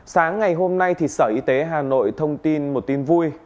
sáng ngày hôm nay sở y tế hà nội thông tin một tin vui